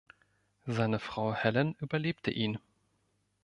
Seine Frau Helen überlebte ihn.